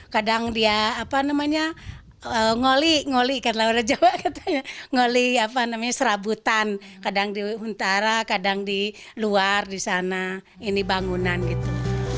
kadang dia ngoli serabutan kadang di huntara kadang di luar di sana ini bangunan gitu